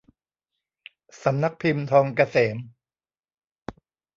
สำนักพิมพ์ทองเกษม